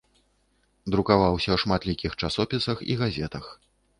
Друкаваўся ў шматлікіх часопісах і газетах.